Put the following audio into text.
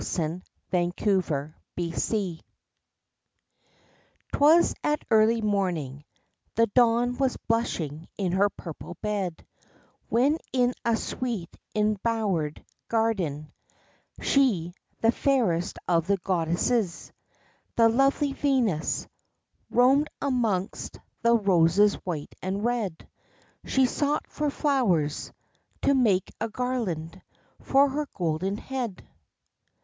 VENUS IN A GARDEN 'Twas at early morning, The dawn was blushing in her purple bed, When in a sweet, embowered garden She, the fairest of the goddesses, The lovely Venus, Roamed amongst the roses white and red. She sought for flowers To make a garland For her golden head.